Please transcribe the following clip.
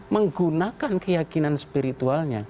menggunakan keyakinan spiritualnya